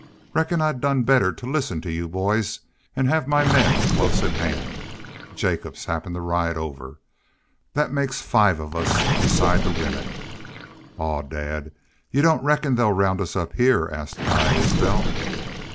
Reckon I'd done better to listen to you boys an' have my men close at hand. Jacobs happened to ride over. That makes five of us besides the women." "Aw, dad, you don't reckon they'll round us up heah?" asked Guy Isbel.